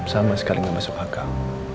sama sekali nggak masuk akal